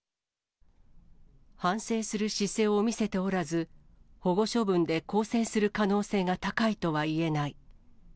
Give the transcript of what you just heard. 反省する姿勢を見せておらず、保護処分で更生する可能性が高いとは言えない。